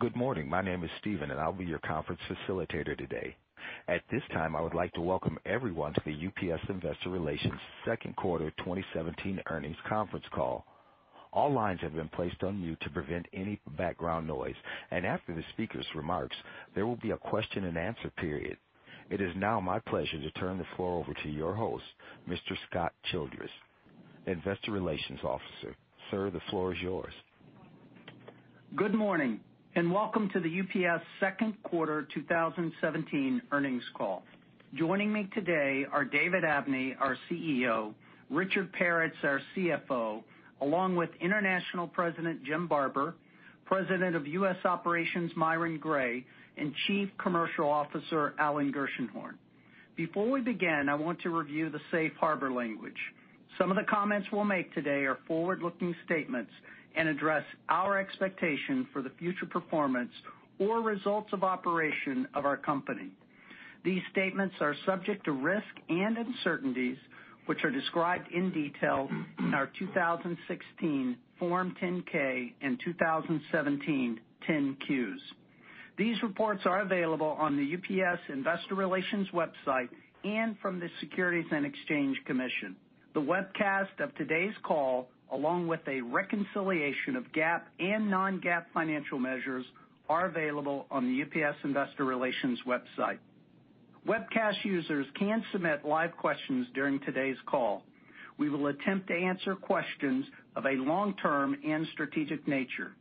Good morning. My name is Steven, and I will be your conference facilitator today. At this time, I would like to welcome everyone to the UPS Investor Relations second quarter 2017 earnings conference call. All lines have been placed on mute to prevent any background noise. After the speaker's remarks, there will be a question-and-answer period. It is now my pleasure to turn the floor over to your host, Mr. Scott Childress, Investor Relations Officer. Sir, the floor is yours. Good morning. Welcome to the UPS second quarter 2017 earnings call. Joining me today are David Abney, our CEO, Richard Peretz, our CFO, along with International President Jim Barber, President of U.S. Operations Myron Gray, and Chief Commercial Officer Alan Gershenhorn. Before we begin, I want to review the safe harbor language. Some of the comments we will make today are forward-looking statements and address our expectation for the future performance or results of operation of our company. These statements are subject to risks and uncertainties, which are described in detail in our 2016 Form 10-K and 2017 10-Qs. These reports are available on the UPS investor relations website and from the Securities and Exchange Commission. The webcast of today's call, along with a reconciliation of GAAP and non-GAAP financial measures, are available on the UPS investor relations website. Webcast users can submit live questions during today's call. We will attempt to answer questions of a long-term and strategic nature.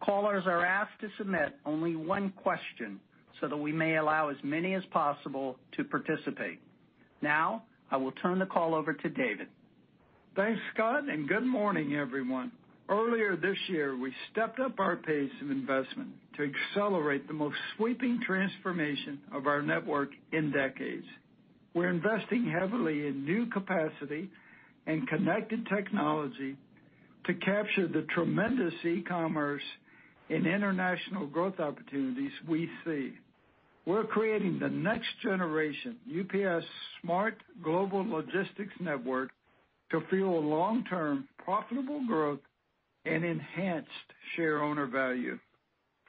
Callers are asked to submit only one question so that we may allow as many as possible to participate. Now, I will turn the call over to David. Thanks, Scott. Good morning, everyone. Earlier this year, we stepped up our pace of investment to accelerate the most sweeping transformation of our network in decades. We are investing heavily in new capacity and connected technology to capture the tremendous e-commerce and international growth opportunities we see. We are creating the next generation UPS Smart Global Logistics Network to fuel long-term profitable growth and enhanced shareowner value.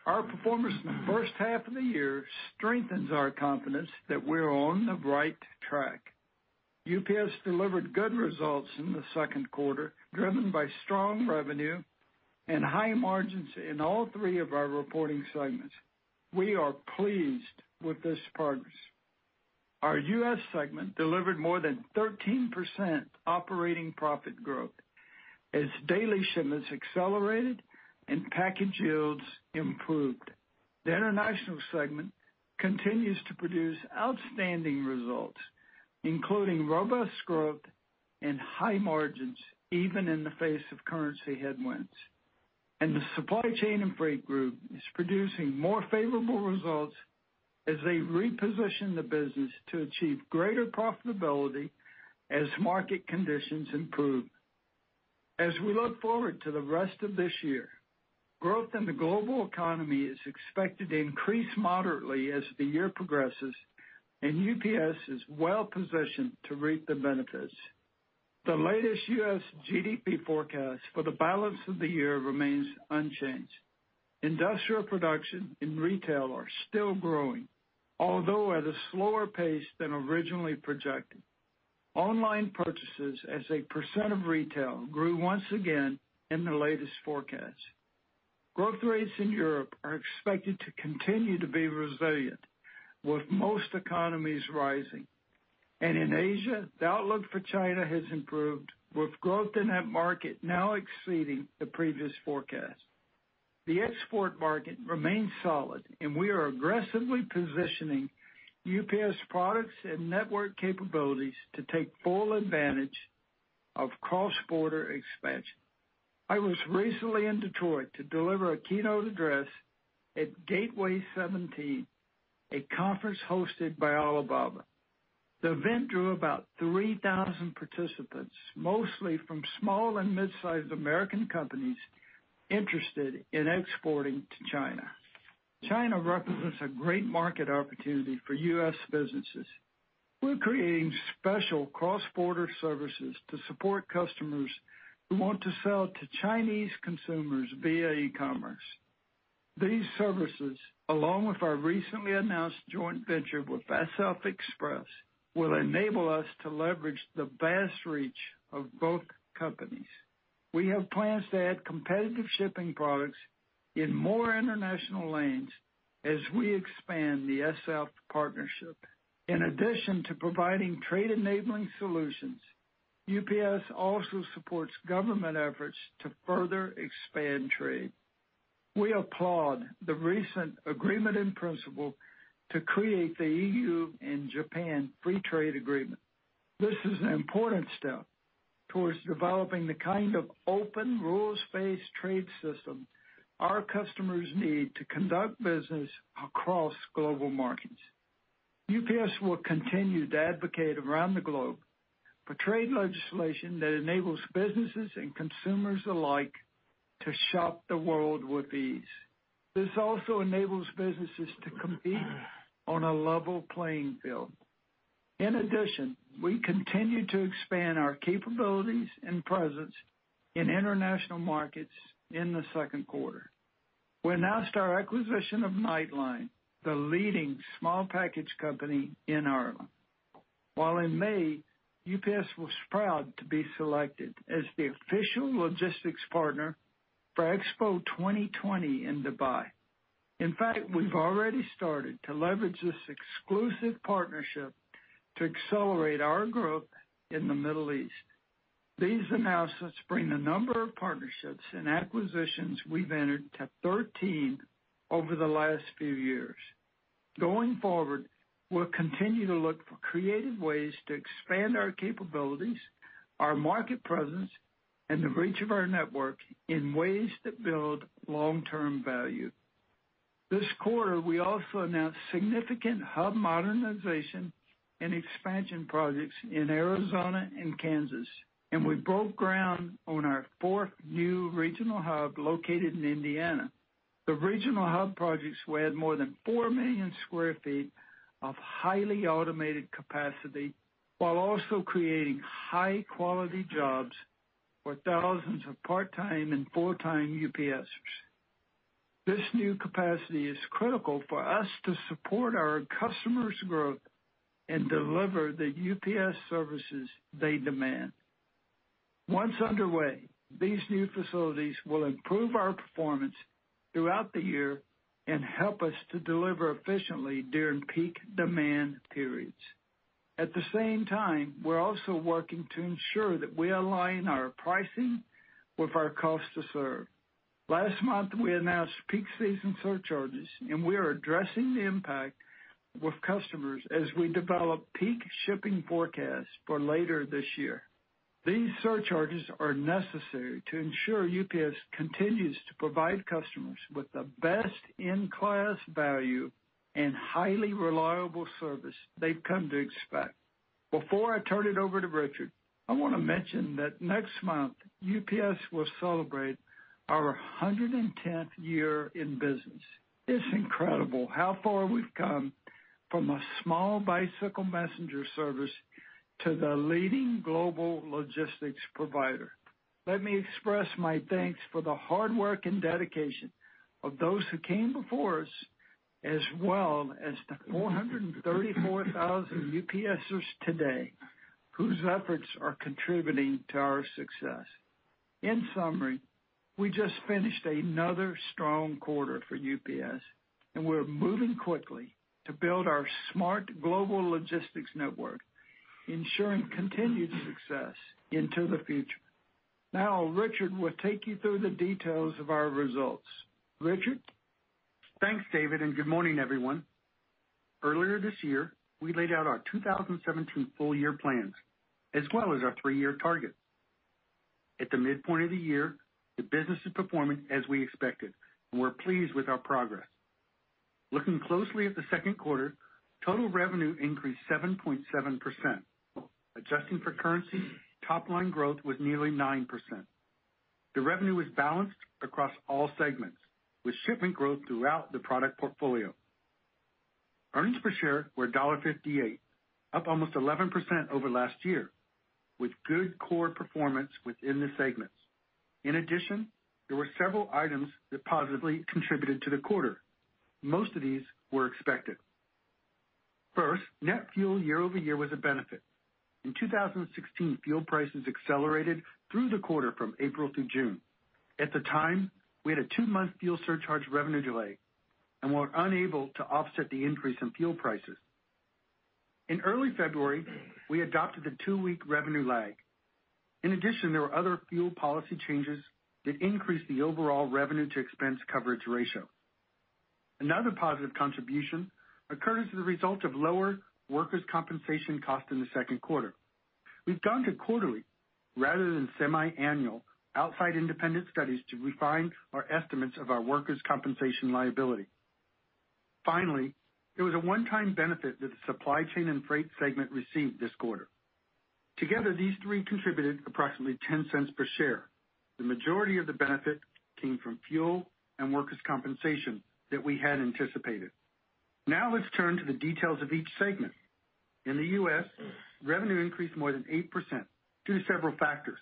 Our performance in the first half of the year strengthens our confidence that we are on the right track. UPS delivered good results in the second quarter, driven by strong revenue and high margins in all three of our reporting segments. We are pleased with this progress. Our U.S. segment delivered more than 13% operating profit growth as daily shipments accelerated and package yields improved. The international segment continues to produce outstanding results, including robust growth and high margins, even in the face of currency headwinds. The supply chain and freight group is producing more favorable results as they reposition the business to achieve greater profitability as market conditions improve. As we look forward to the rest of this year, growth in the global economy is expected to increase moderately as the year progresses, UPS is well-positioned to reap the benefits. The latest U.S. GDP forecast for the balance of the year remains unchanged. Industrial production and retail are still growing, although at a slower pace than originally projected. Online purchases as a % of retail grew once again in the latest forecast. Growth rates in Europe are expected to continue to be resilient, with most economies rising. In Asia, the outlook for China has improved, with growth in that market now exceeding the previous forecast. The export market remains solid, we are aggressively positioning UPS products and network capabilities to take full advantage of cross-border expansion. I was recently in Detroit to deliver a keynote address at Gateway '17, a conference hosted by Alibaba. The event drew about 3,000 participants, mostly from small and mid-sized American companies interested in exporting to China. China represents a great market opportunity for U.S. businesses. We're creating special cross-border services to support customers who want to sell to Chinese consumers via e-commerce. These services, along with our recently announced joint venture with SF Express, will enable us to leverage the vast reach of both companies. We have plans to add competitive shipping products in more international lanes as we expand the SF partnership. In addition to providing trade-enabling solutions, UPS also supports government efforts to further expand trade. We applaud the recent agreement in principle to create the EU-Japan Economic Partnership Agreement. This is an important step towards developing the kind of open, rules-based trade system our customers need to conduct business across global markets. UPS will continue to advocate around the globe for trade legislation that enables businesses and consumers alike to shop the world with ease. This also enables businesses to compete on a level playing field. We continued to expand our capabilities and presence in international markets in the second quarter. We announced our acquisition of Nightline, the leading small package company in Ireland. While in May, UPS was proud to be selected as the official logistics partner for Expo 2020 in Dubai. We've already started to leverage this exclusive partnership to accelerate our growth in the Middle East. These announcements bring the number of partnerships and acquisitions we've entered to 13 over the last few years. Going forward, we'll continue to look for creative ways to expand our capabilities, our market presence, and the reach of our network in ways that build long-term value. This quarter, we also announced significant hub modernization and expansion projects in Arizona and Kansas, we broke ground on our fourth new regional hub located in Indiana. The regional hub projects will add more than 4 million square feet of highly automated capacity while also creating high-quality jobs for thousands of part-time and full-time UPSers. This new capacity is critical for us to support our customers' growth and deliver the UPS services they demand. Once underway, these new facilities will improve our performance throughout the year and help us to deliver efficiently during peak demand periods. At the same time, we are also working to ensure that we align our pricing with our cost to serve. Last month, we announced peak season surcharges. We are addressing the impact with customers as we develop peak shipping forecasts for later this year. These surcharges are necessary to ensure UPS continues to provide customers with the best-in-class value and highly reliable service they have come to expect. Before I turn it over to Richard, I want to mention that next month, UPS will celebrate our 110th year in business. It is incredible how far we have come from a small bicycle messenger service to the leading global logistics provider. Let me express my thanks for the hard work and dedication of those who came before us, as well as the 434,000 UPSers today whose efforts are contributing to our success. In summary, we just finished another strong quarter for UPS. We are moving quickly to build our Smart Global Logistics Network, ensuring continued success into the future. Richard will take you through the details of our results. Richard? Thanks, David. Good morning, everyone. Earlier this year, we laid out our 2017 full-year plans as well as our three-year targets. At the midpoint of the year, the business is performing as we expected. We are pleased with our progress. Looking closely at the second quarter, total revenue increased 7.7%. Adjusting for currency, top-line growth was nearly 9%. The revenue was balanced across all segments with shipment growth throughout the product portfolio. Earnings per share were $1.58, up almost 11% over last year with good core performance within the segments. There were several items that positively contributed to the quarter. Most of these were expected. First, net fuel year-over-year was a benefit. In 2016, fuel prices accelerated through the quarter from April through June. At the time, we had a two-month fuel surcharge revenue delay and were unable to offset the increase in fuel prices. In early February, we adopted the two-week revenue lag. There were other fuel policy changes that increased the overall revenue to expense coverage ratio. Another positive contribution occurred as a result of lower workers' compensation cost in the second quarter. We have gone to quarterly rather than semiannual outside independent studies to refine our estimates of our workers' compensation liability. Finally, there was a one-time benefit that the supply chain and freight segment received this quarter. Together, these three contributed approximately $0.10 per share. The majority of the benefit came from fuel and workers' compensation that we had anticipated. Let us turn to the details of each segment. In the U.S., revenue increased more than 8% due to several factors: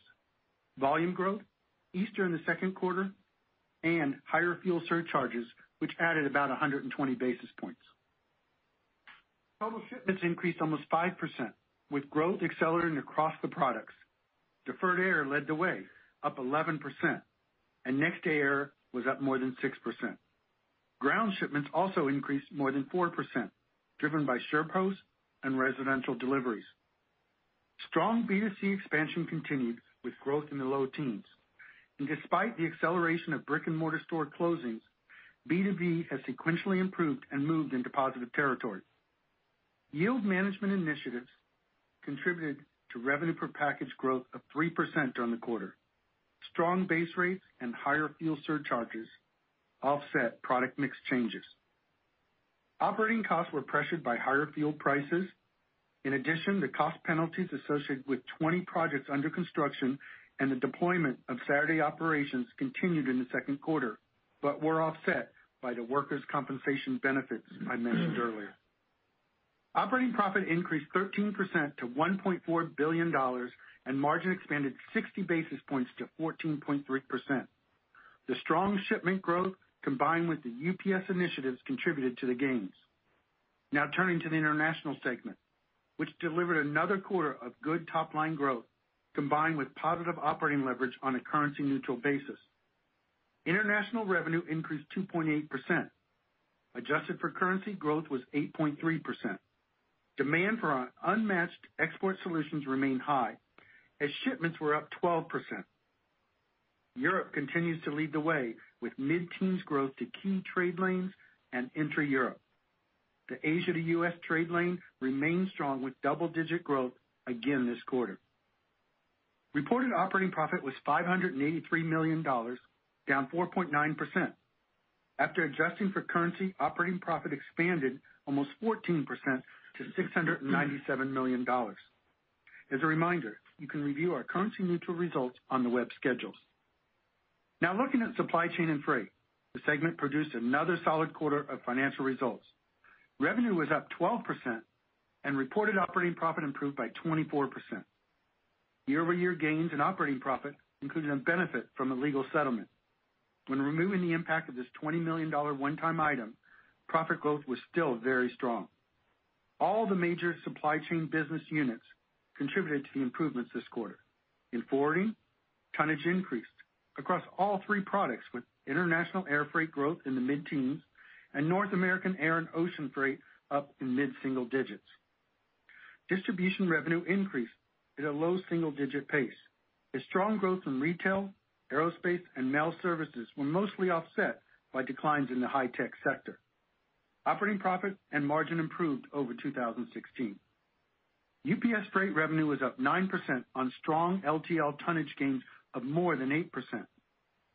volume growth, Easter in the second quarter, and higher fuel surcharges, which added about 120 basis points. Total shipments increased almost 5% with growth accelerating across the products. Deferred air led the way up 11%. Next-day air was up more than 6%. Ground shipments also increased more than 4%, driven by SurePost and residential deliveries. Strong B2C expansion continued with growth in the low teens. Despite the acceleration of brick-and-mortar store closings, B2B has sequentially improved and moved into positive territory. Yield management initiatives contributed to revenue per package growth of 3% during the quarter. Strong base rates and higher fuel surcharges offset product mix changes. Operating costs were pressured by higher fuel prices. In addition, the cost penalties associated with 20 projects under construction and the deployment of Saturday operations continued in the second quarter. Were offset by the workers' compensation benefits I mentioned earlier. Operating profit increased 13% to $1.4 billion. Margin expanded 60 basis points to 14.3%. The strong shipment growth, combined with the UPS initiatives, contributed to the gains. Turning to the international segment, which delivered another quarter of good top-line growth, combined with positive operating leverage on a currency-neutral basis. International revenue increased 2.8%. Adjusted for currency, growth was 8.3%. Demand for our unmatched export solutions remained high as shipments were up 12%. Europe continues to lead the way with mid-teens growth to key trade lanes and intra-Europe. The Asia to U.S. trade lane remains strong with double-digit growth again this quarter. Reported operating profit was $583 million, down 4.9%. After adjusting for currency, operating profit expanded almost 14% to $697 million. As a reminder, you can review our currency-neutral results on the web schedules. Looking at supply chain and freight. The segment produced another solid quarter of financial results. Revenue was up 12%. Reported operating profit improved by 24%. Year-over-year gains in operating profit included a benefit from a legal settlement. When removing the impact of this $20 million one-time item, profit growth was still very strong. All the major supply chain business units contributed to the improvements this quarter. In forwarding, tonnage increased across all three products, with international airfreight growth in the mid-teens and North American air and ocean freight up in mid-single digits. Distribution revenue increased at a low single-digit pace, as strong growth in retail, aerospace, and mail services were mostly offset by declines in the high-tech sector. Operating profit and margin improved over 2016. UPS Freight revenue was up 9% on strong LTL tonnage gains of more than 8%,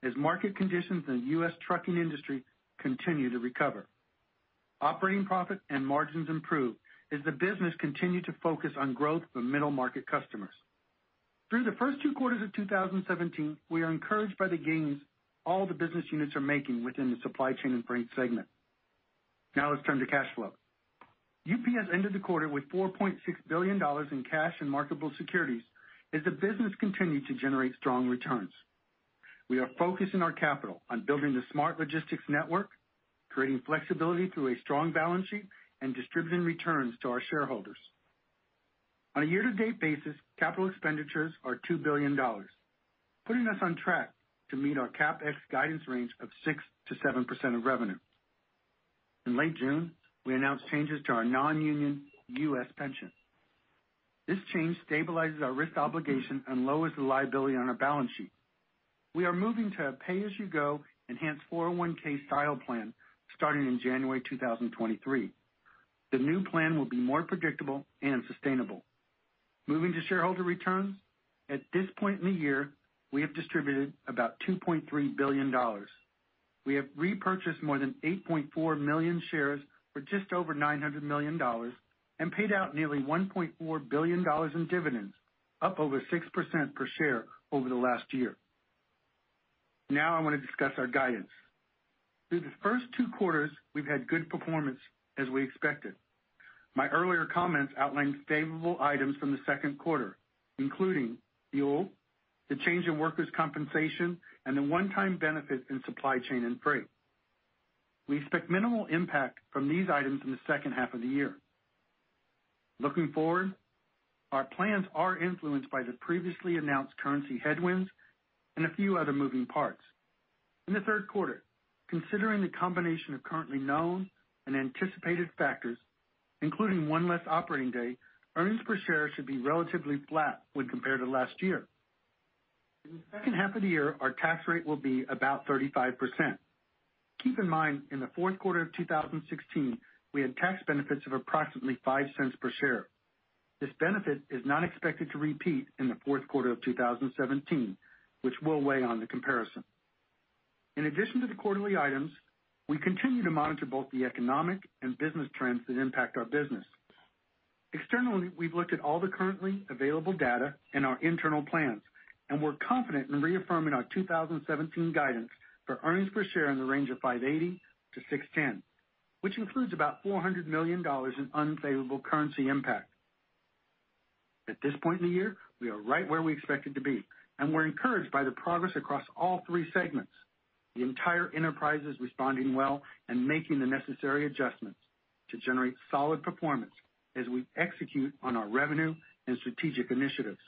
as market conditions in the U.S. trucking industry continue to recover. Operating profit and margins improved as the business continued to focus on growth for middle-market customers. Through the first two quarters of 2017, we are encouraged by the gains all the business units are making within the supply chain and freight segment. Let's turn to cash flow. UPS ended the quarter with $4.6 billion in cash and marketable securities as the business continued to generate strong returns. We are focusing our capital on building the Smart Logistics Network, creating flexibility through a strong balance sheet, and distributing returns to our shareholders. On a year-to-date basis, capital expenditures are $2 billion, putting us on track to meet our CapEx guidance range of 6%-7% of revenue. In late June, we announced changes to our non-union U.S. pension. This change stabilizes our risk obligation and lowers the liability on our balance sheet. We are moving to a pay-as-you-go enhanced 401(k)-style plan starting in January 2023. The new plan will be more predictable and sustainable. Moving to shareholder returns, at this point in the year, we have distributed about $2.3 billion. We have repurchased more than 8.4 million shares for just over $900 million and paid out nearly $1.4 billion in dividends, up over 6% per share over the last year. I want to discuss our guidance. Through the first two quarters, we've had good performance as we expected. My earlier comments outlined favorable items from the second quarter, including fuel, the change in workers' compensation, and a one-time benefit in supply chain and freight. We expect minimal impact from these items in the second half of the year. Looking forward, our plans are influenced by the previously announced currency headwinds and a few other moving parts. In the third quarter, considering the combination of currently known and anticipated factors, including one less operating day, earnings per share should be relatively flat when compared to last year. In the second half of the year, our tax rate will be about 35%. Keep in mind, in the fourth quarter of 2016, we had tax benefits of approximately $0.05 per share. This benefit is not expected to repeat in the fourth quarter of 2017, which will weigh on the comparison. We continue to monitor both the economic and business trends that impact our business. Externally, we've looked at all the currently available data and our internal plans, and we're confident in reaffirming our 2017 guidance for earnings per share in the range of $5.80-$6.10, which includes about $400 million in unfavorable currency impact. At this point in the year, we are right where we expected to be, and we're encouraged by the progress across all three segments. The entire enterprise is responding well and making the necessary adjustments to generate solid performance as we execute on our revenue and strategic initiatives.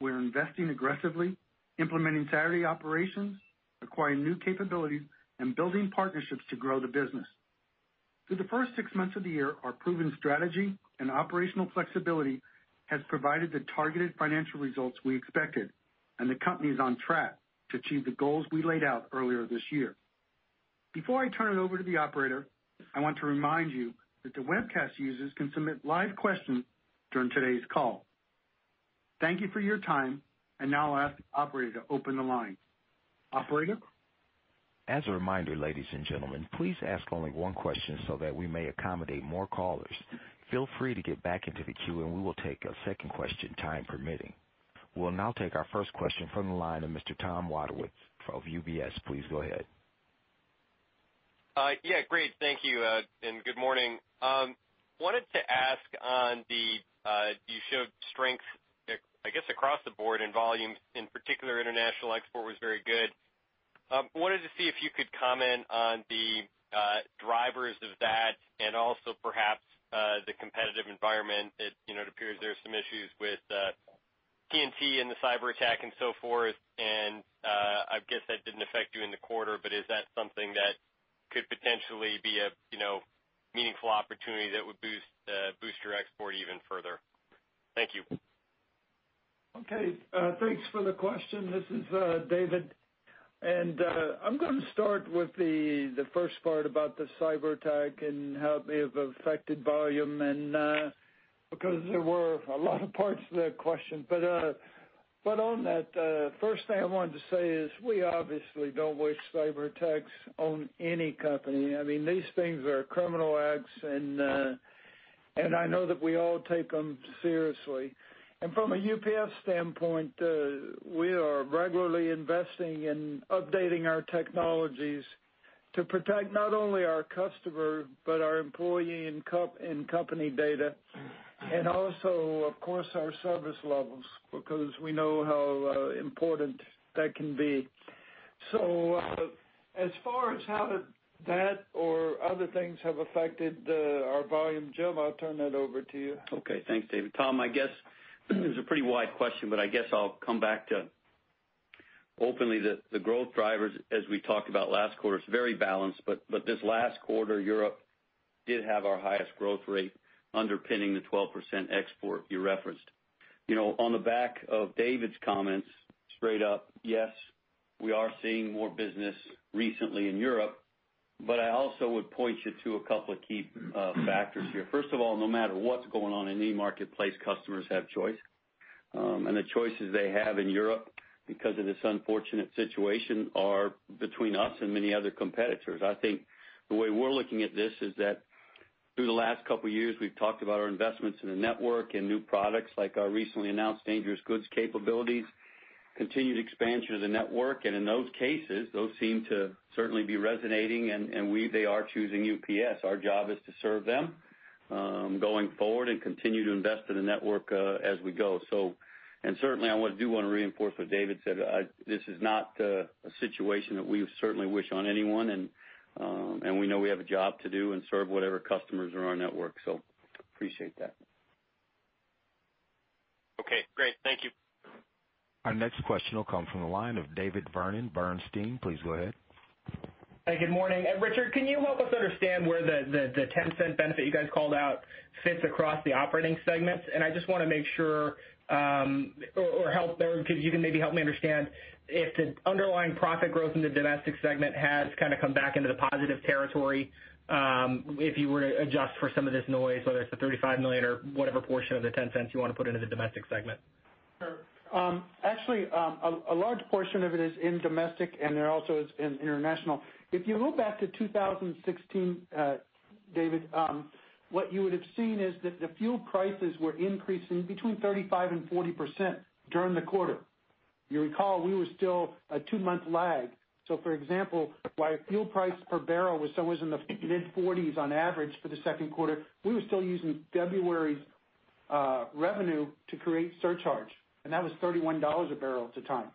We are investing aggressively, implementing Saturday operations, acquiring new capabilities, and building partnerships to grow the business. Through the first six months of the year, our proven strategy and operational flexibility has provided the targeted financial results we expected, and the company is on track to achieve the goals we laid out earlier this year. I want to remind you that the webcast users can submit live questions during today's call. Thank you for your time. I'll ask the operator to open the lines. Operator? As a reminder, ladies and gentlemen, please ask only one question so that we may accommodate more callers. Feel free to get back into the queue and we will take a second question, time permitting. We'll take our first question from the line of Mr. Thomas Wadewitz of UBS. Please go ahead. Great. Thank you. Good morning. Wanted to ask on the, you showed strength, I guess, across the board in volume. In particular, international export was very good. Wanted to see if you could comment on the drivers of that and also perhaps the competitive environment that it appears there are some issues with TNT and the cyberattack and so forth. I guess that didn't affect you in the quarter, but is that something that could potentially be a meaningful opportunity that would boost your export even further? Thank you. Okay. Thanks for the question. This is David. I'm going to start with the first part about the cyberattack and how it may have affected volume because there were a lot of parts to that question. On that, first thing I wanted to say is we obviously don't wish cyberattacks on any company. These things are criminal acts. I know that we all take them seriously. From a UPS standpoint, we are regularly investing in updating our technologies to protect not only our customer, but our employee and company data. Also, of course, our service levels, because we know how important that can be. As far as how that or other things have affected our volume, Jim, I'll turn that over to you. Okay. Thanks, David. Tom, I guess this is a pretty wide question. I guess I'll come back to openly the growth drivers as we talked about last quarter. It's very balanced. This last quarter, Europe did have our highest growth rate underpinning the 12% export you referenced. On the back of David's comments, straight up, yes, we are seeing more business recently in Europe. I also would point you to a couple of key factors here. First of all, no matter what's going on in any marketplace, customers have choice. The choices they have in Europe because of this unfortunate situation are between us and many other competitors. I think the way we're looking at this is that through the last couple of years, we've talked about our investments in the network and new products like our recently announced dangerous goods capabilities, continued expansion of the network. In those cases, those seem to certainly be resonating, and they are choosing UPS. Our job is to serve them going forward and continue to invest in the network as we go. Certainly, I do want to reinforce what David said. This is not a situation that we certainly wish on anyone. We know we have a job to do and serve whatever customers are on our network. Appreciate that. Okay, great. Thank you. Our next question will come from the line of David Vernon, Bernstein. Please go ahead. Hey, good morning. Richard Peretz, can you help us understand where the $0.10 benefit you guys called out fits across the operating segments? I just want to make sure or if you can maybe help me understand if the underlying profit growth in the Domestic segment has kind of come back into the positive territory, if you were to adjust for some of this noise, whether it's the $35 million or whatever portion of the $0.10 you want to put into the Domestic segment. Sure. Actually, a large portion of it is in Domestic, and there also is in International. If you look back to 2016, David, what you would have seen is that the fuel prices were increasing between 35%-40% during the quarter. You recall, we were still a two-month lag. For example, why fuel price per barrel was somewhere in the mid-40s on average for the second quarter, we were still using February's revenue to create surcharge, and that was $31 a barrel at the time.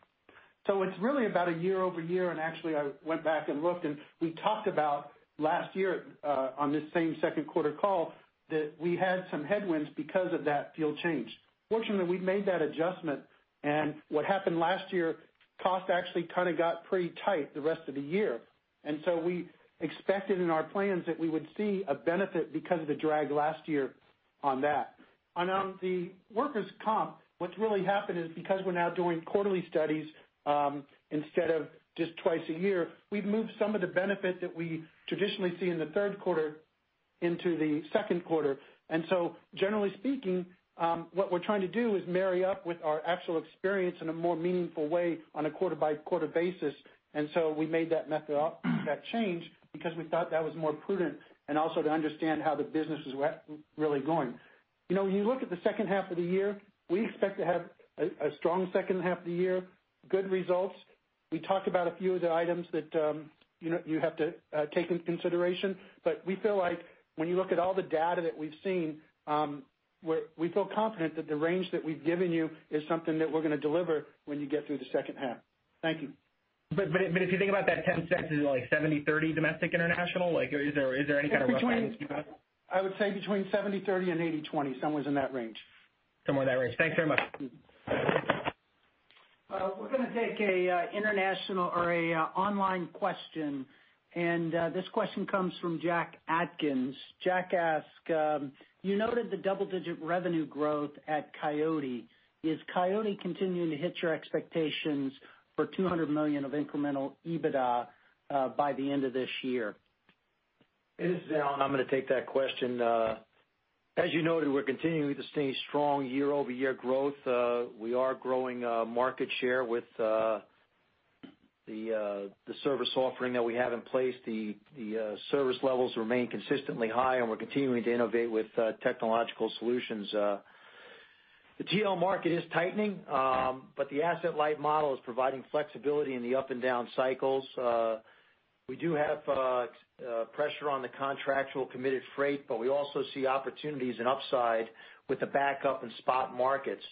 It's really about a year-over-year, and actually, I went back and looked, and we talked about last year on this same second quarter call that we had some headwinds because of that fuel change. Fortunately, we made that adjustment, and what happened last year, cost actually kind of got pretty tight the rest of the year. We expected in our plans that we would see a benefit because of the drag last year on that. On the workers' comp, what's really happened is because we're now doing quarterly studies instead of just twice a year, we've moved some of the benefit that we traditionally see in the third quarter into the second quarter. Generally speaking, what we're trying to do is marry up with our actual experience in a more meaningful way on a quarter-by-quarter basis. We made that change because we thought that was more prudent and also to understand how the business is really going. When you look at the second half of the year, we expect to have a strong second half of the year, good results. We talked about a few of the items that you have to take into consideration, we feel like when you look at all the data that we've seen, we feel confident that the range that we've given you is something that we're going to deliver when you get through the second half. Thank you. If you think about that $0.10, is it like 70/30 domestic/international? Is there any kind of rough guidance you have? I would say between 70/30 and 80/20, somewhere in that range. Somewhere in that range. Thanks very much. We're going to take an international or an online question. This question comes from Jack Atkins. Jack asks, "You noted the double-digit revenue growth at Coyote. Is Coyote continuing to hit your expectations for $200 million of incremental EBITDA by the end of this year? This is Alan. I'm going to take that question. As you noted, we're continuing to see strong year-over-year growth. We are growing market share with the service offering that we have in place. The service levels remain consistently high. We're continuing to innovate with technological solutions. The TL market is tightening. The asset-light model is providing flexibility in the up and down cycles. We do have pressure on the contractual committed freight. We also see opportunities in upside with the backup in spot markets.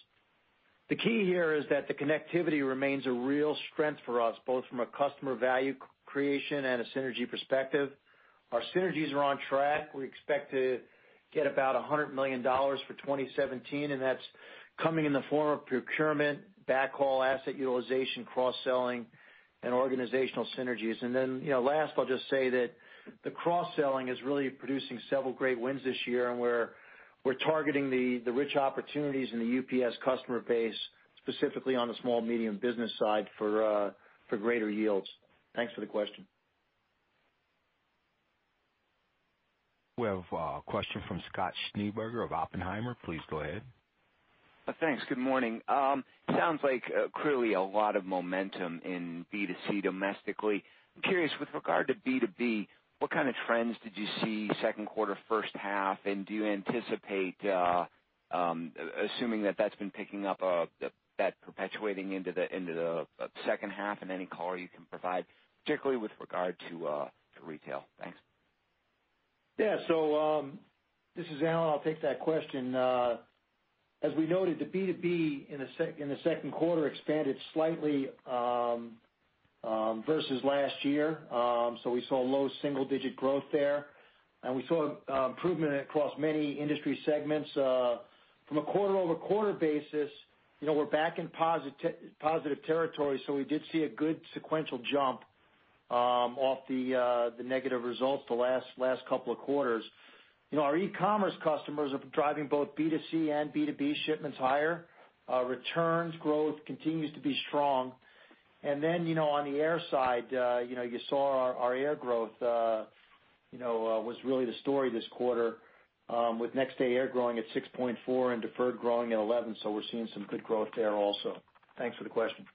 The key here is that the connectivity remains a real strength for us, both from a customer value creation and a synergy perspective. Our synergies are on track. We expect to get about $100 million for 2017. That's coming in the form of procurement, backhaul asset utilization, cross-selling, and organizational synergies. Last, I'll just say that the cross-selling is really producing several great wins this year. We're targeting the rich opportunities in the UPS customer base, specifically on the small-medium business side for greater yields. Thanks for the question. We have a question from Scott Schneeberger of Oppenheimer. Please go ahead. Thanks. Good morning. Sounds like clearly a lot of momentum in B2C domestically. I'm curious, with regard to B2B, what kind of trends did you see second quarter, first half? Do you anticipate, assuming that's been picking up, that perpetuating into the second half, and any color you can provide, particularly with regard to retail? Thanks. This is Alan. I'll take that question. As we noted, the B2B in the second quarter expanded slightly versus last year. We saw low single-digit growth there, and we saw improvement across many industry segments. From a quarter-over-quarter basis, we're back in positive territory, we did see a good sequential jump off the negative results the last couple of quarters. Our e-commerce customers are driving both B2C and B2B shipments higher. Returns growth continues to be strong. On the air side, you saw our air growth was really the story this quarter with next-day air growing at 6.4% and deferred growing at 11%. We're seeing some good growth there also. Thanks for the question.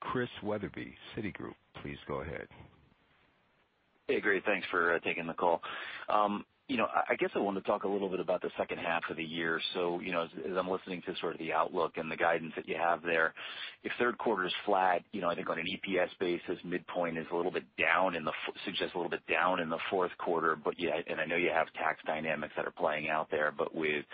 Christian Wetherbee, Citigroup, please go ahead. Great. Thanks for taking the call. I guess I wanted to talk a little bit about the second half of the year. As I'm listening to sort of the outlook and the guidance that you have there, if third quarter is flat, I think on an EPS basis, midpoint suggests a little bit down in the fourth quarter. I know you have tax dynamics that are playing out there, but with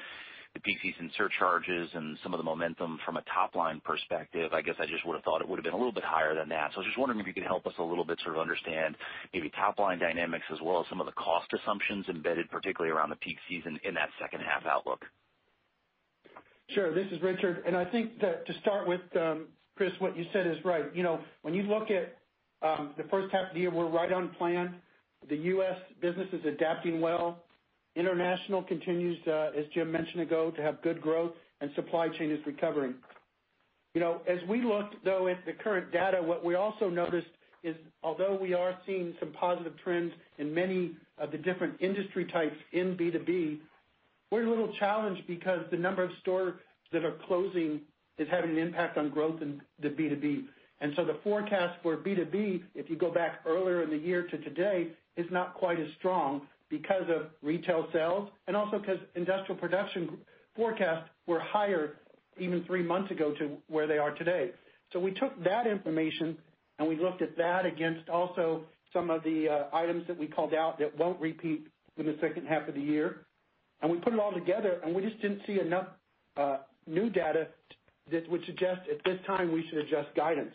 the peak season surcharges and some of the momentum from a top-line perspective, I guess I just would've thought it would've been a little bit higher than that. I was just wondering if you could help us a little bit sort of understand maybe top-line dynamics as well as some of the cost assumptions embedded, particularly around the peak season in that second half outlook. Sure. This is Richard, and I think that to start with, Chris, what you said is right. When you look at the first half of the year, we're right on plan. The U.S. business is adapting well. International continues, as Jim mentioned ago, to have good growth, and supply chain is recovering. As we looked, though, at the current data, what we also noticed is, although we are seeing some positive trends in many of the different industry types in B2B, we're a little challenged because the number of stores that are closing is having an impact on growth in the B2B. The forecast for B2B, if you go back earlier in the year to today, is not quite as strong because of retail sales and also because industrial production forecasts were higher even three months ago to where they are today. We took that information, and we looked at that against also some of the items that we called out that won't repeat in the second half of the year. We put it all together, and we just didn't see enough new data that would suggest at this time we should adjust guidance.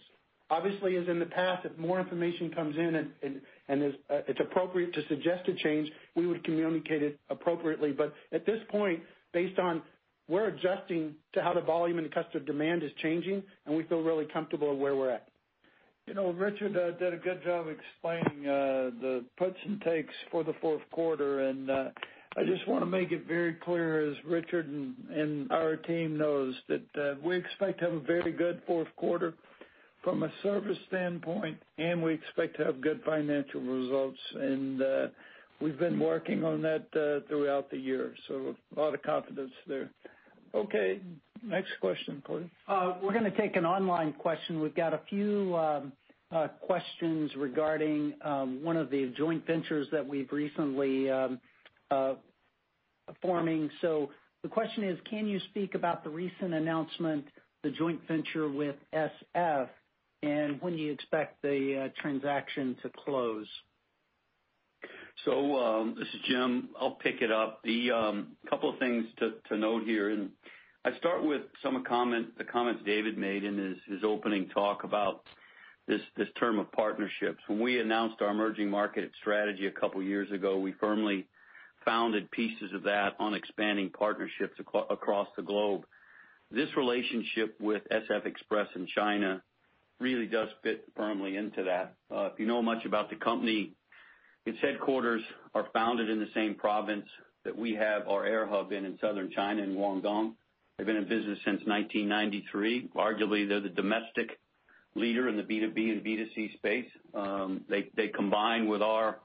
Obviously, as in the past, if more information comes in and it's appropriate to suggest a change, we would communicate it appropriately. At this point, based on we're adjusting to how the volume and customer demand is changing, and we feel really comfortable where we're at. Richard did a good job explaining the puts and takes for the fourth quarter, and I just want to make it very clear, as Richard and our team knows, that we expect to have a very good fourth quarter from a service standpoint, and we expect to have good financial results. We've been working on that throughout the year, so a lot of confidence there. Okay, next question, [Cody]. We're going to take an online question. We've got a few questions regarding one of the joint ventures that we've recently forming. The question is, can you speak about the recent announcement, the joint venture with SF, and when do you expect the transaction to close? This is Jim. I'll pick it up. The couple of things to note here, and I'd start with some of the comments David made in his opening talk about this term of partnerships. When we announced our emerging market strategy a couple of years ago, we firmly founded pieces of that on expanding partnerships across the globe. This relationship with SF Express in China really does fit firmly into that. If you know much about the company Its headquarters are founded in the same province that we have our air hub in Southern China, in Guangdong. They've been in business since 1993. Arguably, they're the domestic leader in the B2B and B2C space. They combine with our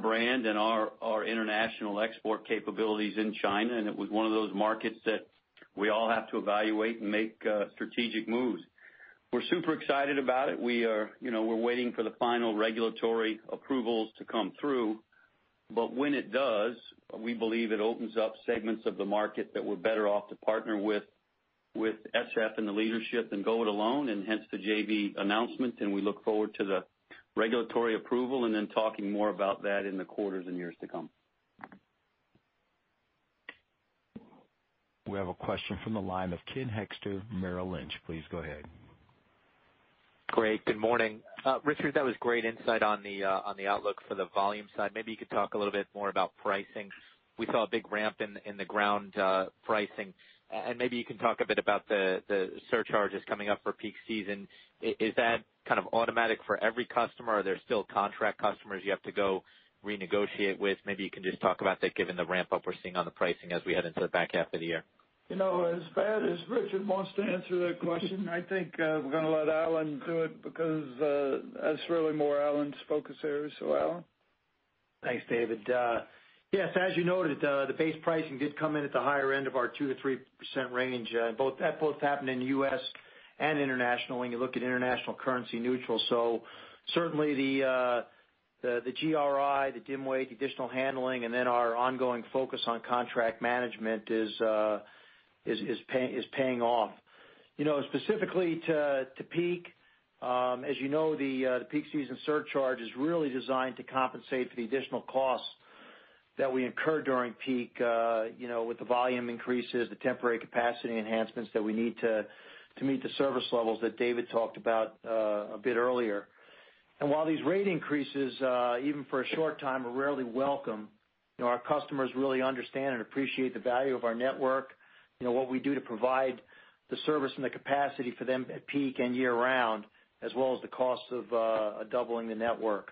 brand and our international export capabilities in China. It was one of those markets that we all have to evaluate and make strategic moves. We're super excited about it. We're waiting for the final regulatory approvals to come through. When it does, we believe it opens up segments of the market that we're better off to partner with SF and the leadership than go it alone. Hence the JV announcement, we look forward to the regulatory approval and then talking more about that in the quarters and years to come. We have a question from the line of Ken Hoexter, Merrill Lynch. Please go ahead. Great. Good morning. Richard, that was great insight on the outlook for the volume side. Maybe you could talk a little bit more about pricing. We saw a big ramp in the ground pricing. Maybe you can talk a bit about the surcharges coming up for peak season. Is that automatic for every customer? Are there still contract customers you have to go renegotiate with? Maybe you can just talk about that given the ramp-up we're seeing on the pricing as we head into the back half of the year. As bad as Richard wants to answer that question, I think we're going to let Alan do it because that's really more Alan's focus area. Alan? Thanks, David. Yes, as you noted, the base pricing did come in at the higher end of our 2%-3% range. That both happened in the U.S. and international when you look at international currency neutral. Certainly the GRI, the dim weight, the additional handling, and then our ongoing focus on contract management is paying off. Specifically to peak, as you know, the peak season surcharge is really designed to compensate for the additional costs that we incur during peak with the volume increases, the temporary capacity enhancements that we need to meet the service levels that David talked about a bit earlier. While these rate increases, even for a short time, are rarely welcome, our customers really understand and appreciate the value of our network, what we do to provide the service and the capacity for them at peak and year-round, as well as the cost of doubling the network.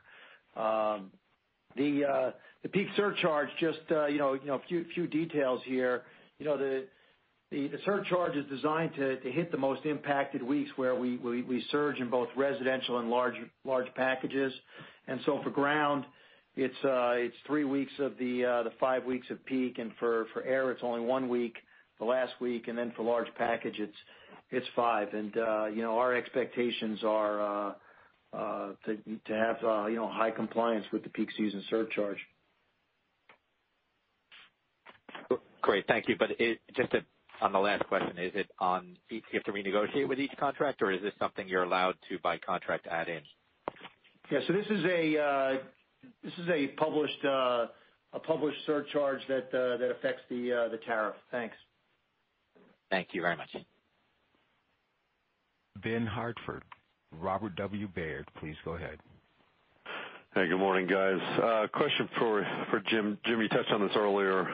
The peak surcharge, just a few details here. The surcharge is designed to hit the most impacted weeks where we surge in both residential and large packages. So for ground, it's three weeks of the five weeks of peak, for air it's only one week, the last week, and then for large package it's five. Our expectations are to have high compliance with the peak season surcharge. Great. Thank you. Just on the last question, do you have to renegotiate with each contract or is this something you're allowed to by contract add in? Yeah. This is a published surcharge that affects the tariff. Thanks. Thank you very much. Ben Hartford, Robert W. Baird. Please go ahead. Hey, good morning, guys. A question for Jim. Jim, you touched on this earlier,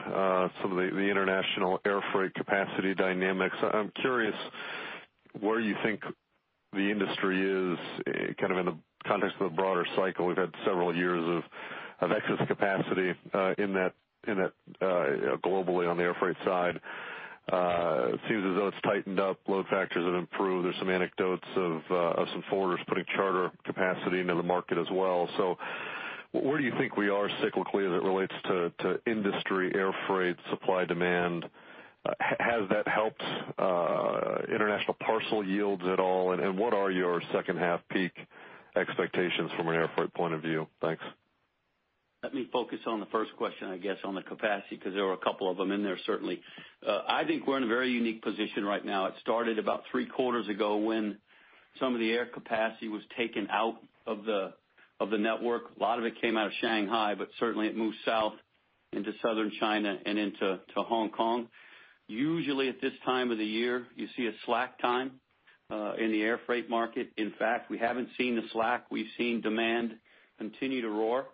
some of the international air freight capacity dynamics. I'm curious where you think the industry is in the context of the broader cycle. We've had several years of excess capacity globally on the air freight side. It seems as though it's tightened up. Load factors have improved. There's some anecdotes of some forwarders putting charter capacity into the market as well. Where do you think we are cyclically as it relates to industry air freight supply-demand? Has that helped international parcel yields at all, and what are your second half peak expectations from an airfreight point of view? Thanks. Let me focus on the first question, I guess, on the capacity, because there were a couple of them in there, certainly. I think we're in a very unique position right now. It started about three quarters ago when some of the air capacity was taken out of the network. A lot of it came out of Shanghai, but certainly it moved south into southern China and into Hong Kong. Usually at this time of the year, you see a slack time in the air freight market. In fact, we haven't seen the slack. We've seen demand continue to roar.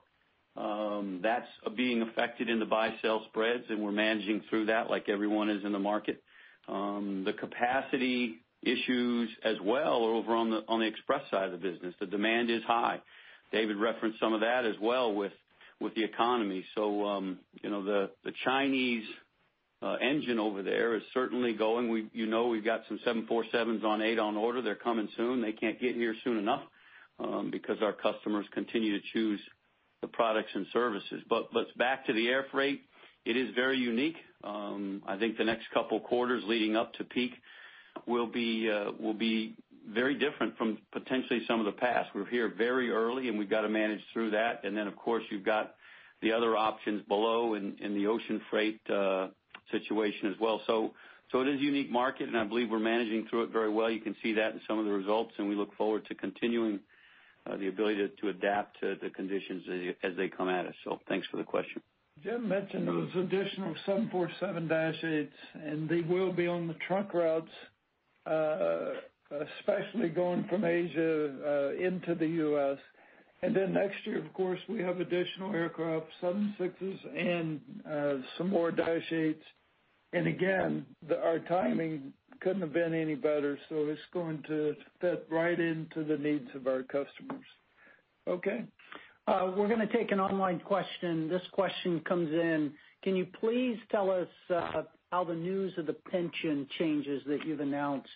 That's being affected in the buy-sell spreads, and we're managing through that like everyone is in the market. The capacity issues as well are over on the express side of the business. The demand is high. David referenced some of that as well with the economy. The Chinese engine over there is certainly going. We've got some 747s on order. They're coming soon. They can't get here soon enough because our customers continue to choose the products and services. Back to the air freight, it is very unique. I think the next couple of quarters leading up to peak will be very different from potentially some of the past. We're here very early and we've got to manage through that. Of course, you've got the other options below in the ocean freight situation as well. It is a unique market and I believe we're managing through it very well. You can see that in some of the results, and we look forward to continuing the ability to adapt to the conditions as they come at us. Thanks for the question. Jim mentioned those additional 747-8s, and they will be on the trunk routes, especially going from Asia into the U.S. Next year, of course, we have additional aircraft, 767s and some more dash-8s Again, our timing couldn't have been any better. It's going to fit right into the needs of our customers. Okay. We're going to take an online question. This question comes in. Can you please tell us how the news of the pension changes that you've announced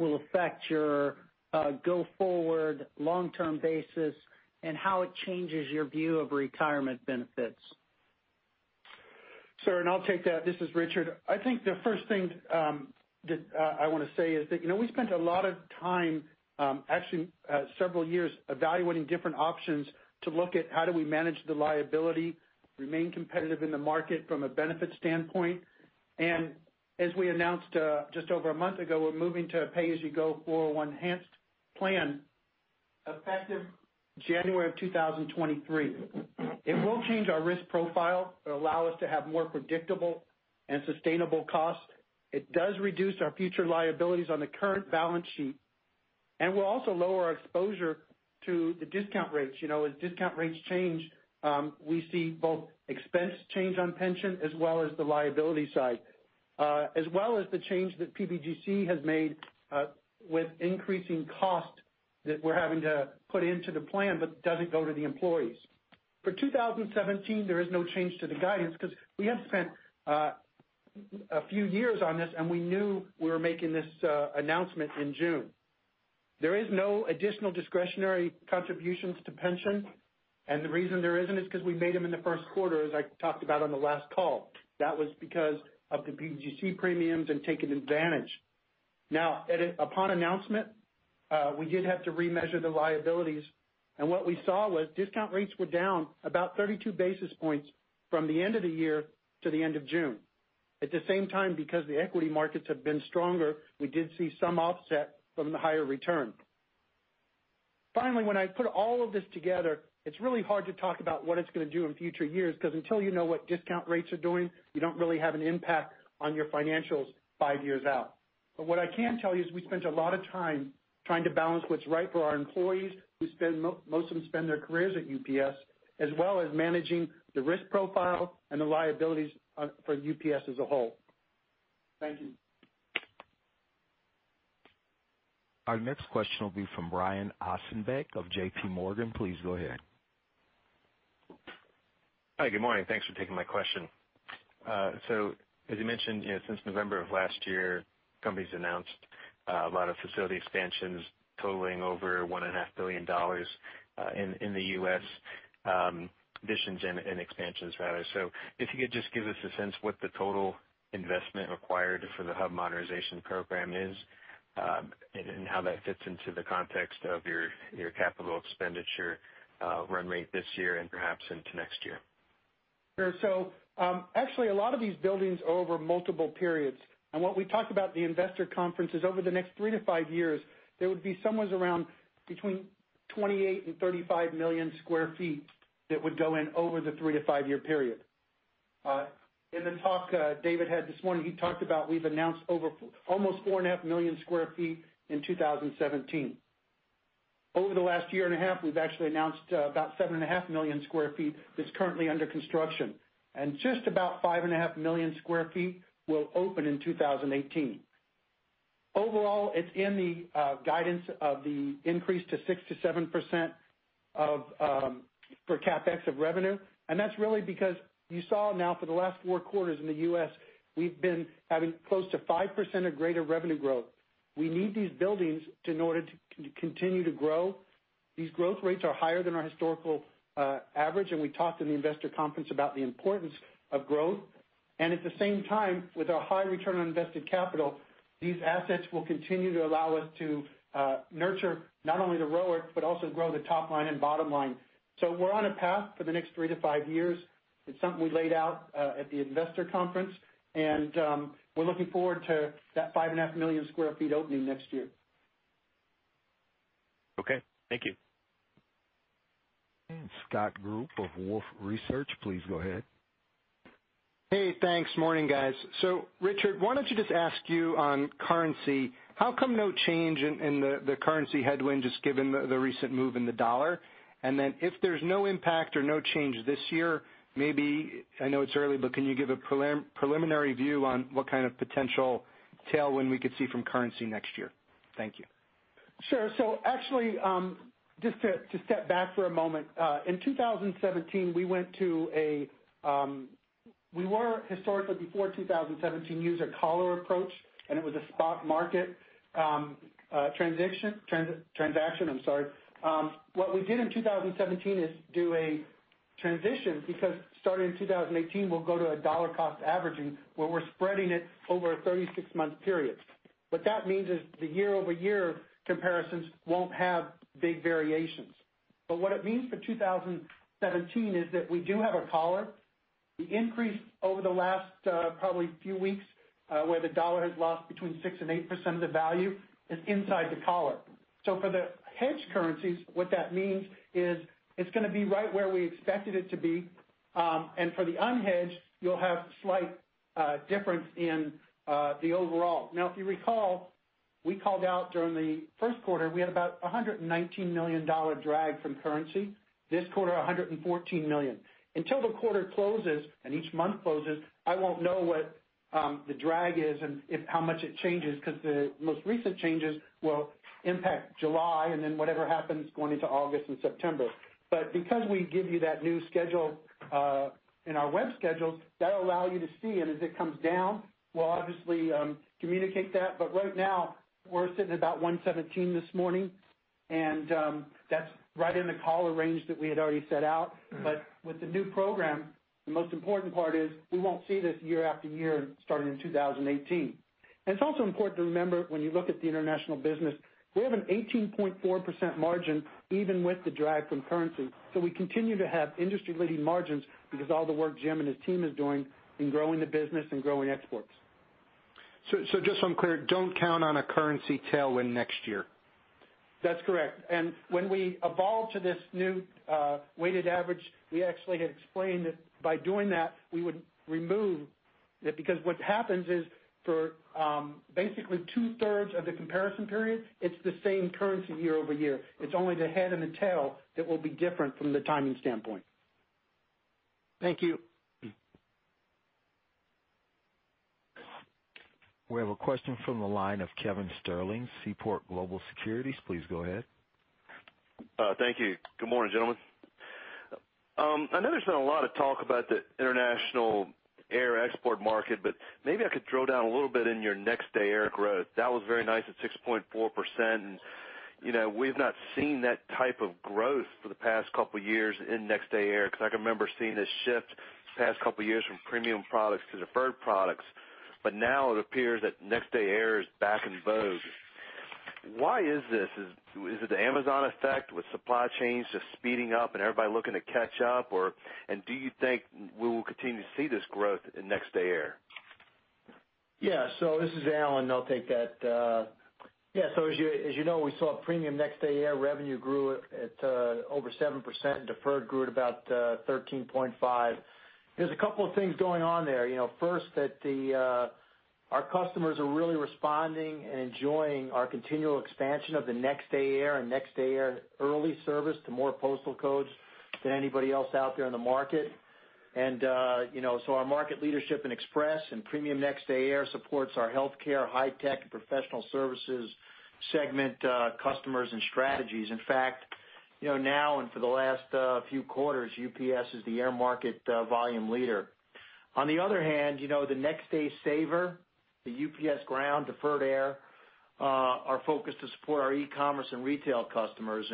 will affect your go-forward long-term basis, and how it changes your view of retirement benefits? Sure, and I'll take that. This is Richard. I think the first thing that I want to say is that we spent a lot of time, actually several years, evaluating different options to look at how do we manage the liability, remain competitive in the market from a benefit standpoint. As we announced just over a month ago, we're moving to a pay-as-you-go 401(k) enhanced plan effective January 2023. It will change our risk profile. It'll allow us to have more predictable and sustainable cost. It does reduce our future liabilities on the current balance sheet, and will also lower our exposure to the discount rates. As discount rates change, we see both expense change on pension as well as the liability side, as well as the change that PBGC has made with increasing cost that we're having to put into the plan, but doesn't go to the employees. For 2017, there is no change to the guidance because we have spent a few years on this, and we knew we were making this announcement in June. There is no additional discretionary contributions to pension, and the reason there isn't is because we made them in the first quarter, as I talked about on the last call. That was because of the PBGC premiums and taking advantage. Upon announcement, we did have to remeasure the liabilities, and what we saw was discount rates were down about 32 basis points from the end of the year to the end of June. At the same time, because the equity markets have been stronger, we did see some offset from the higher return. When I put all of this together, it's really hard to talk about what it's going to do in future years, because until you know what discount rates are doing, you don't really have an impact on your financials five years out. What I can tell you is we spent a lot of time trying to balance what's right for our employees, most of them spend their careers at UPS, as well as managing the risk profile and the liabilities for UPS as a whole. Thank you. Our next question will be from Brian Ossenbeck of J.P. Morgan. Please go ahead. Hi. Good morning. Thanks for taking my question. As you mentioned, since November of last year, company's announced a lot of facility expansions totaling over $1.5 billion in the U.S. Additions and expansions rather. If you could just give us a sense what the total investment required for the hub modernization program is, and how that fits into the context of your capital expenditure run rate this year and perhaps into next year. Sure. Actually, a lot of these buildings are over multiple periods. What we talked about at the investor conference is over the next 3 to 5 years, there would be somewhere around between 28 and 35 million sq ft that would go in over the 3 to 5-year period. In the talk David had this morning, he talked about we've announced almost 4.5 million sq ft in 2017. Over the last year and a half, we've actually announced about 7.5 million sq ft that's currently under construction. Just about 5.5 million sq ft will open in 2018. Overall, it's in the guidance of the increase to 6%-7% for CapEx of revenue. That's really because you saw now for the last four quarters in the U.S., we've been having close to 5% or greater revenue growth. We need these buildings in order to continue to grow. These growth rates are higher than our historical average, we talked in the investor conference about the importance of growth. At the same time, with our high return on invested capital, these assets will continue to allow us to nurture not only the ROIC, but also grow the top line and bottom line. We're on a path for the next 3 to 5 years. It's something we laid out at the investor conference. We're looking forward to that 5.5 million sq ft opening next year. Okay. Thank you. Scott Group of Wolfe Research, please go ahead. Hey, thanks. Morning, guys. Richard, why don't you just ask you on currency, how come no change in the currency headwind, just given the recent move in the dollar? If there's no impact or no change this year, maybe, I know it's early, but can you give a preliminary view on what kind of potential tailwind we could see from currency next year? Thank you. Sure. Actually, just to step back for a moment. In 2017, we were historically before 2017, used a collar approach, and it was a spot market transaction. What we did in 2017 is do a transition because starting in 2018, we'll go to a dollar-cost averaging, where we're spreading it over a 36-month period. What that means is the year-over-year comparisons won't have big variations. What it means for 2017 is that we do have a collar. The increase over the last probably few weeks, where the dollar has lost between 6% and 8% of the value, is inside the collar. For the hedged currencies, what that means is it's going to be right where we expected it to be. For the unhedged, you'll have a slight difference in the overall. If you recall, we called out during the first quarter, we had about $119 million drag from currency. This quarter, $114 million. Until the quarter closes, and each month closes, I won't know what the drag is and how much it changes, because the most recent changes will impact July and then whatever happens going into August and September. Because we give you that new schedule in our web schedules, that'll allow you to see it. As it comes down, we'll obviously communicate that. Right now, we're sitting at about $117 million this morning, and that's right in the collar range that we had already set out. With the new program, the most important part is we won't see this year-after-year starting in 2018. It's also important to remember when you look at the international business, we have an 18.4% margin even with the drag from currency. We continue to have industry-leading margins because all the work Jim and his team is doing in growing the business and growing exports. just so I'm clear, don't count on a currency tailwind next year. That's correct. When we evolved to this new weighted average, we actually had explained that by doing that, we would remove that, because what happens is for basically two-thirds of the comparison period, it's the same currency year-over-year. It's only the head and the tail that will be different from the timing standpoint. Thank you. We have a question from the line of Kevin Sterling, Seaport Global Securities. Please go ahead. Thank you. Good morning, gentlemen. I know there's been a lot of talk about the international air export market. Maybe I could drill down a little bit in your Next Day Air growth. That was very nice at 6.4%. We've not seen that type of growth for the past couple of years in Next Day Air, because I can remember seeing a shift the past couple of years from premium products to deferred products. Now it appears that Next Day Air is back in vogue. Why is this? Is it the Amazon effect with supply chains just speeding up and everybody looking to catch up? Do you think we will continue to see this growth in Next Day Air? This is Alan. I'll take that. As you know, we saw premium Next Day Air revenue grew at over 7%, deferred grew at about 13.5%. There's a couple of things going on there. First, that our customers are really responding and enjoying our continual expansion of the Next Day Air and Next Day Air Early service to more postal codes than anybody else out there in the market. Our market leadership in Express and premium Next Day Air supports our healthcare, high tech, and professional services segment customers and strategies. In fact, now and for the last few quarters, UPS is the air market volume leader. On the other hand the Next Day Saver, the UPS ground deferred air, are focused to support our e-commerce and retail customers.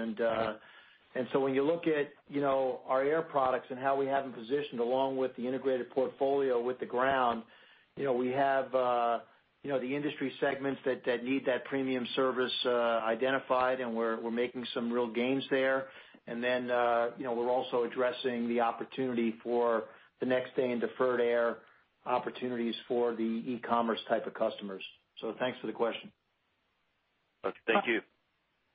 When you look at our air products and how we have them positioned along with the integrated portfolio with the ground, we have the industry segments that need that premium service identified, and we're making some real gains there. We're also addressing the opportunity for the next day in deferred air opportunities for the e-commerce type of customers. Thanks for the question. Okay. Thank you.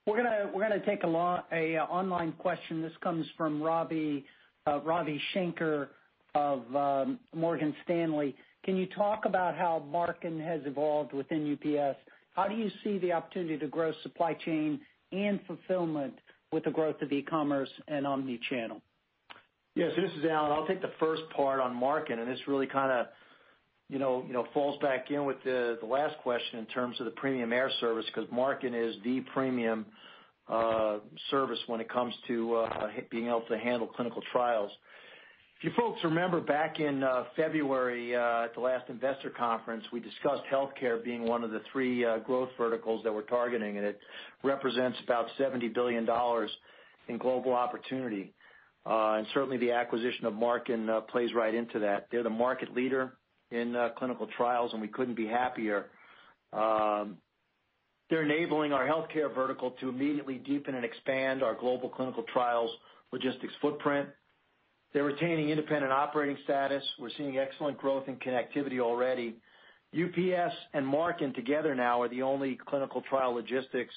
We're going to take an online question. This comes from Ravi Shanker of Morgan Stanley. Can you talk about how Marken has evolved within UPS? How do you see the opportunity to grow supply chain and fulfillment with the growth of e-commerce and omnichannel? Yeah. This is Alan. I'll take the first part on Marken, and this really kind of falls back in with the last question in terms of the premium air service, because Marken is the premium service when it comes to being able to handle clinical trials. If you folks remember back in February at the last investor conference, we discussed healthcare being one of the three growth verticals that we're targeting, and it represents about $70 billion in global opportunity. Certainly, the acquisition of Marken plays right into that. They're the market leader in clinical trials, and we couldn't be happier. They're enabling our healthcare vertical to immediately deepen and expand our global clinical trials logistics footprint. They're retaining independent operating status. We're seeing excellent growth in connectivity already. UPS and Marken together now are the only clinical trial logistics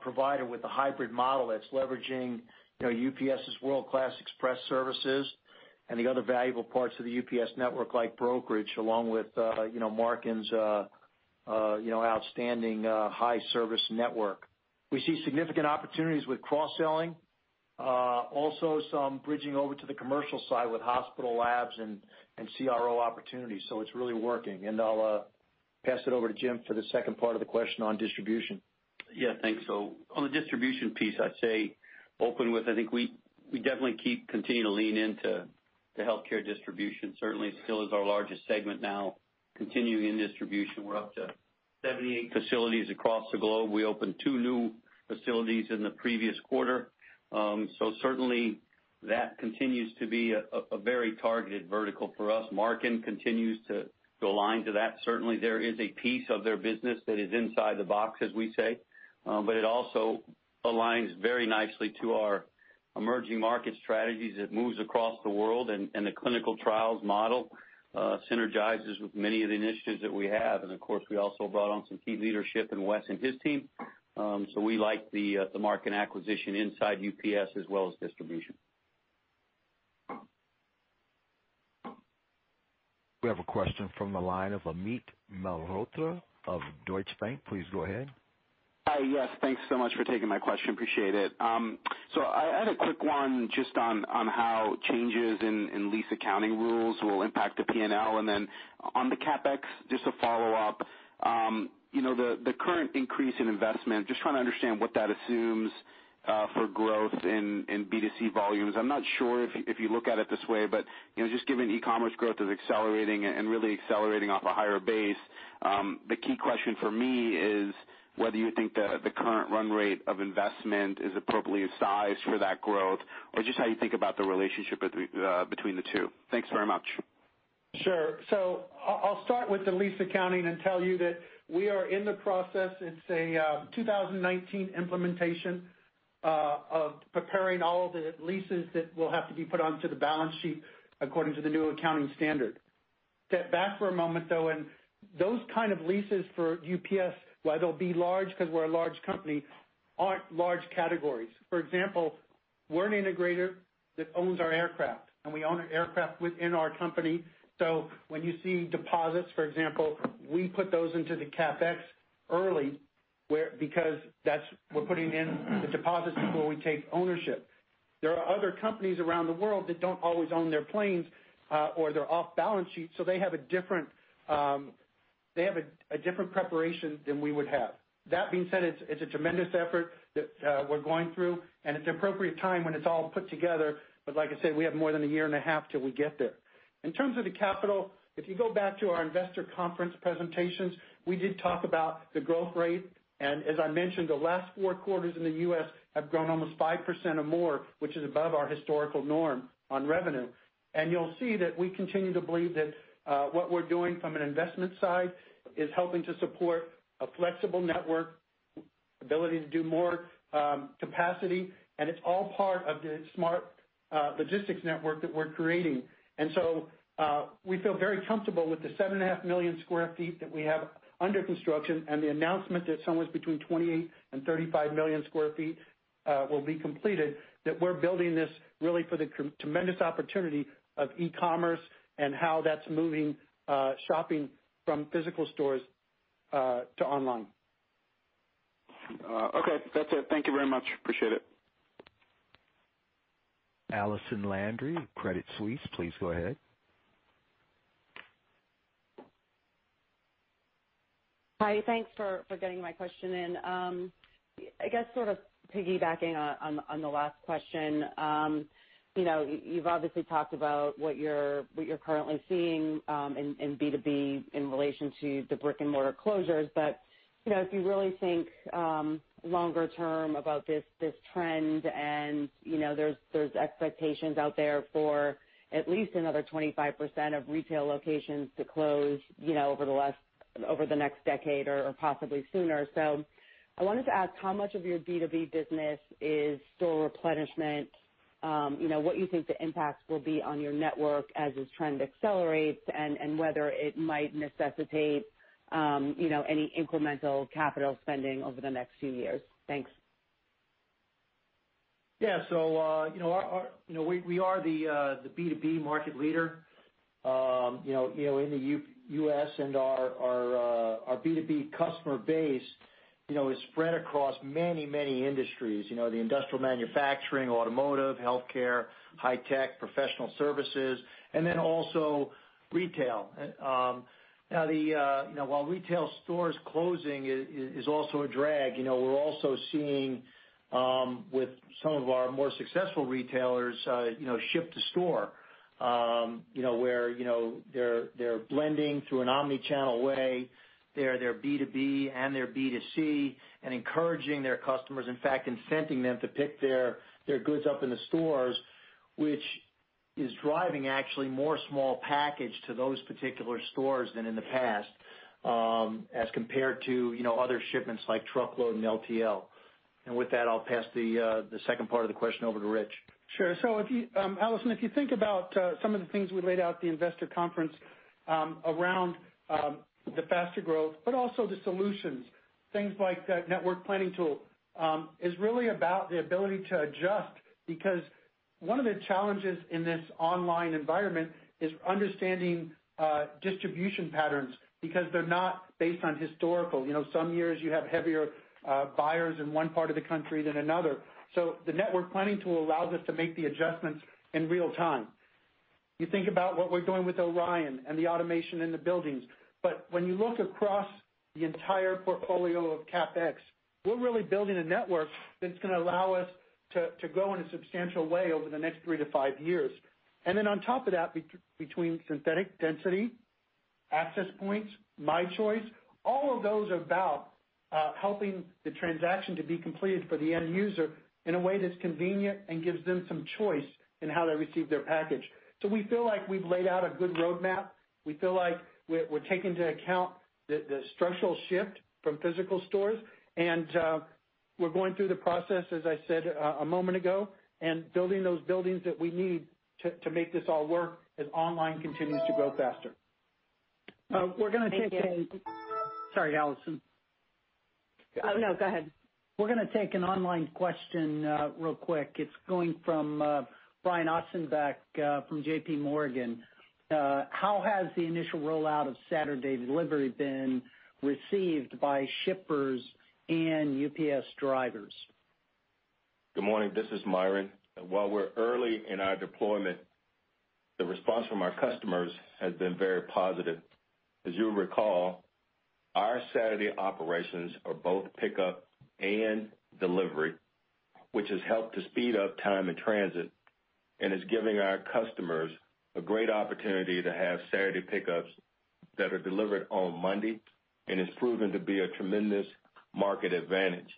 provider with a hybrid model that's leveraging UPS's world-class express services and the other valuable parts of the UPS network like brokerage, along with Marken's outstanding high service network. We see significant opportunities with cross-selling. Also some bridging over to the commercial side with hospital labs and CRO opportunities. It's really working. I'll pass it over to Jim for the second part of the question on distribution. Yeah, thanks. On the distribution piece, I'd say open with, I think we definitely keep continuing to lean into the healthcare distribution. Certainly still is our largest segment now continuing in distribution. We're up to 78 facilities across the globe. We opened two new facilities in the previous quarter. Certainly, that continues to be a very targeted vertical for us. Marken continues to align to that. Certainly, there is a piece of their business that is inside the box, as we say. It also aligns very nicely to our emerging market strategies. It moves across the world, and the clinical trials model synergizes with many of the initiatives that we have. Of course, we also brought on some key leadership in Wes and his team. We like the Marken acquisition inside UPS as well as distribution. We have a question from the line of Amit Mehrotra of Deutsche Bank. Please go ahead. Hi. Yes, thanks so much for taking my question, appreciate it. I had a quick one just on how changes in lease accounting rules will impact the P&L. On the CapEx, just to follow up, the current increase in investment, just trying to understand what that assumes for growth in B2C volumes. I'm not sure if you look at it this way, but just given e-commerce growth is accelerating and really accelerating off a higher base, the key question for me is whether you think that the current run rate of investment is appropriately sized for that growth or just how you think about the relationship between the two. Thanks very much. Sure. I'll start with the lease accounting and tell you that we are in the process. It's a 2019 implementation of preparing all of the leases that will have to be put onto the balance sheet according to the new accounting standard. Step back for a moment, though, those kind of leases for UPS, while they'll be large because we're a large company, aren't large categories. For example, we're an integrator that owns our aircraft, and we own our aircraft within our company. When you see deposits, for example, we put those into the CapEx early, because we're putting in the deposits before we take ownership. There are other companies around the world that don't always own their planes, or they're off balance sheet, they have a different preparation than we would have. That being said, it's a tremendous effort that we're going through, and it's an appropriate time when it's all put together. Like I said, we have more than a year and a half till we get there. In terms of the capital, if you go back to our investor conference presentations, we did talk about the growth rate. As I mentioned, the last four quarters in the U.S. have grown almost 5% or more, which is above our historical norm on revenue. You'll see that we continue to believe that what we're doing from an investment side is helping to support a flexible network ability to do more capacity, and it's all part of the Smart Logistics Network that we're creating. We feel very comfortable with the 7.5 million square feet that we have under construction and the announcement that somewhere between 28 million and 35 million square feet will be completed. That we're building this really for the tremendous opportunity of e-commerce and how that's moving shopping from physical stores to online. Okay. That's it. Thank you very much. Appreciate it. Allison Landry, Credit Suisse, please go ahead. Hi, thanks for getting my question in. I guess sort of piggybacking on the last question. You've obviously talked about what you're currently seeing in B2B in relation to the brick and mortar closures. If you really think longer term about this trend and there's expectations out there for at least another 25% of retail locations to close over the next decade or possibly sooner. I wanted to ask how much of your B2B business is store replenishment? What you think the impact will be on your network as this trend accelerates, and whether it might necessitate any incremental capital spending over the next few years. Thanks. We are the B2B market leader in the U.S., and our B2B customer base is spread across many industries. The industrial manufacturing, automotive, healthcare, high tech, professional services, and also retail. While retail stores closing is also a drag, we are also seeing with some of our more successful retailers ship to store, where they are blending through an omni-channel way their B2B and their B2C. Encouraging their customers, in fact, incenting them to pick their goods up in the stores, which is driving actually more small package to those particular stores than in the past, as compared to other shipments like truckload and LTL. With that, I will pass the second part of the question over to Rich. Sure. Allison, if you think about some of the things we laid out at the investor conference around the faster growth, but also the solutions, things like that network planning tool, is really about the ability to adjust. One of the challenges in this online environment is understanding distribution patterns because they are not based on historical. Some years you have heavier buyers in one part of the country than another. The network planning tool allows us to make the adjustments in real time. You think about what we are doing with ORION and the automation in the buildings. When you look across the entire portfolio of CapEx, we are really building a network that is going to allow us to grow in a substantial way over the next three to five years. On top of that, between synthetic density, Access Points, My Choice, all of those are about helping the transaction to be completed for the end user in a way that is convenient and gives them some choice in how they receive their package. We feel like we have laid out a good roadmap. We feel like we are taking into account the structural shift from physical stores. We are going through the process, as I said a moment ago, and building those buildings that we need to make this all work as online continues to grow faster. Thank you. Sorry, Allison. Oh, no, go ahead. We're going to take an online question real quick. It's going from Brian Ossenbeck from J.P. Morgan. How has the initial rollout of Saturday delivery been received by shippers and UPS drivers? Good morning. This is Myron. While we're early in our deployment, the response from our customers has been very positive. As you'll recall, our Saturday operations are both pickup and delivery, which has helped to speed up time and transit, and is giving our customers a great opportunity to have Saturday pickups that are delivered on Monday, and it's proven to be a tremendous market advantage.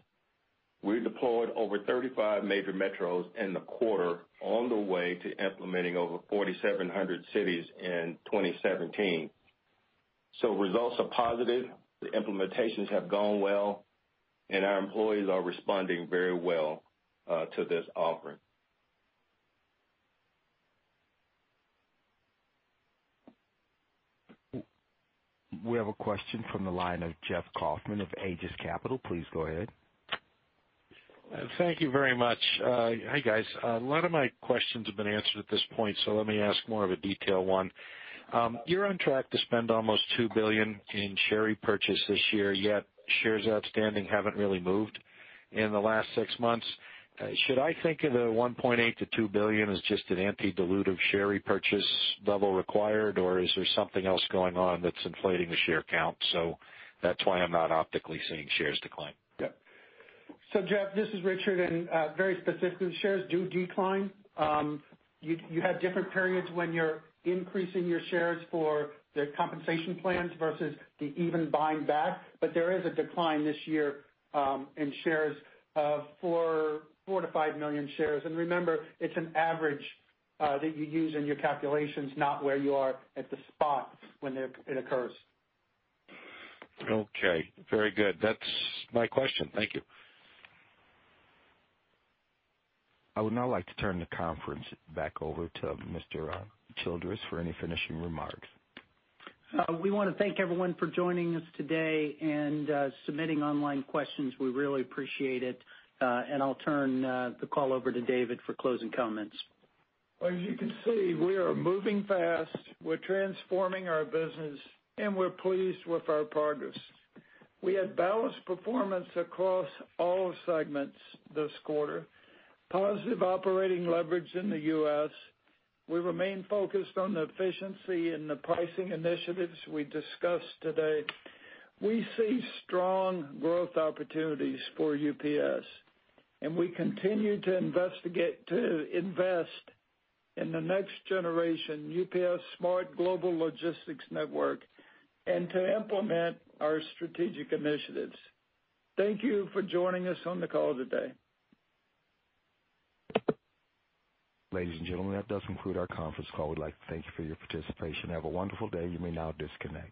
We deployed over 35 major metros in the quarter on the way to implementing over 4,700 cities in 2017. Results are positive. The implementations have gone well, and our employees are responding very well to this offering. We have a question from the line of Jeff Kauffman of Aegis Capital. Please go ahead. Thank you very much. Hi, guys. A lot of my questions have been answered at this point. Let me ask more of a detail one. You're on track to spend almost $2 billion in share repurchase this year, yet shares outstanding haven't really moved in the last six months. Should I think of the $1.8 billion-$2 billion as just an anti-dilutive share repurchase level required, or is there something else going on that's inflating the share count? That's why I'm not optically seeing shares decline. Jeff, this is Richard. Very specific, shares do decline. You have different periods when you're increasing your shares for the compensation plans versus the even buying back. There is a decline this year in shares of four to five million shares. Remember, it's an average that you use in your calculations, not where you are at the spot when it occurs. Okay, very good. That's my question. Thank you. I would now like to turn the conference back over to Mr. Childress for any finishing remarks. We want to thank everyone for joining us today and submitting online questions. We really appreciate it. I'll turn the call over to David for closing comments. As you can see, we are moving fast. We're transforming our business, and we're pleased with our progress. We had balanced performance across all segments this quarter. Positive operating leverage in the U.S. We remain focused on the efficiency and the pricing initiatives we discussed today. We see strong growth opportunities for UPS, we continue to invest in the next generation UPS Smart Global Logistics Network and to implement our strategic initiatives. Thank you for joining us on the call today. Ladies and gentlemen, that does conclude our conference call. We'd like to thank you for your participation. Have a wonderful day. You may now disconnect.